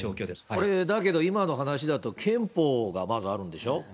これだけど今の話だと、憲法がまずあるんでしょ。